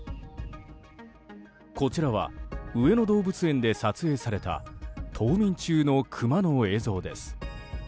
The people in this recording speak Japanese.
こちらは上野動物園で撮影された冬眠中のクマの映像です。